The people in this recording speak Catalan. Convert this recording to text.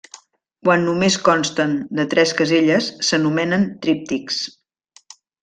Quan només consten de tres caselles s'anomenen tríptics.